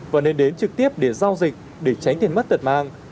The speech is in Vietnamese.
và nên đến trực tiếp để giao dịch để tránh tiền mất tật mang